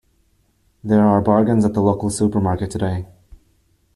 There are bargains at the local supermarket today.